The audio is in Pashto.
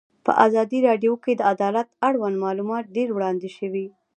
په ازادي راډیو کې د عدالت اړوند معلومات ډېر وړاندې شوي.